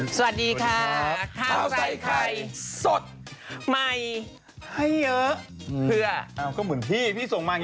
สวัสดีครับข้าวใส่ไข่สดใหม่ให้เยอะเพื่อก็เหมือนพี่พี่ส่งมา